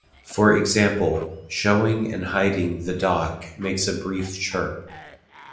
For example, showing and hiding the Dock makes a brief chirp.